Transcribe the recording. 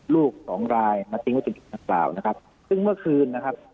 ลูกของรายมาทิ้งว่าจะเก็บหรือเปล่านะครับซึ่งเมื่อคืนนะครับ